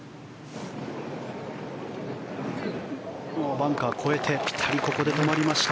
バンカーを越えてここで止まりました。